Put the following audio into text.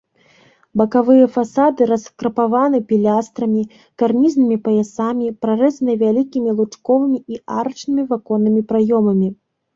Бакавыя фасады раскрапаваны пілястрамі, карнізнымі паясамі, прарэзаны вялікімі лучковымі і арачнымі ваконнымі праёмамі.